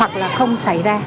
hoặc là không xảy ra